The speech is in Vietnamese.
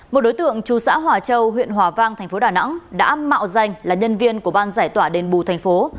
một đối tượng trù xã hòa châu huyện hòa vang thành phố đà nẵng đã mạo danh là nhân viên của ban giải tỏa đền bù thành phố